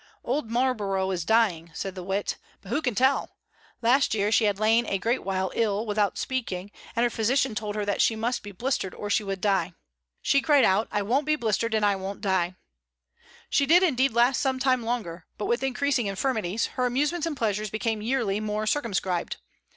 "Old Marlborough is dying," said the wit; "but who can tell? Last year she had lain a great while ill, without speaking, and her physician told her that she must be blistered, or she would die. She cried out, 'I won't be blistered, and I won't die,'" She did indeed last some time longer; but with increasing infirmities, her amusements and pleasures became yearly more circumscribed.